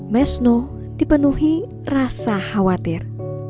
mesno dipenuhi rasa khawatir